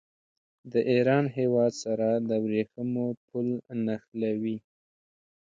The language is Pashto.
د ایران هېواد سره د ورېښمو پل نښلوي.